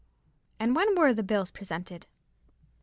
"And when were the bills presented?"